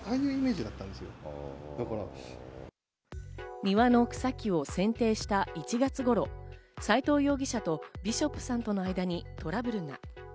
庭の草木を剪定した１月頃、斎藤容疑者とビショップさんとの間にトラブルが。